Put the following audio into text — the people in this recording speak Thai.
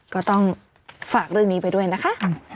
ก็ต้องฝากเรื่องนี้ไปด้วยนะคะ